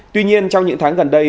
tuy nhiên trong những tháng gần đây